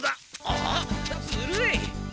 あっずるい！